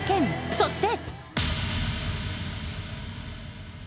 そして。